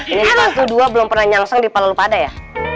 ini di pasuk dua belum pernah nyangseng di palemupada ya